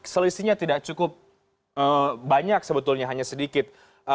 selisihnya tidak cukup banyak sebetulnya hanya sedikit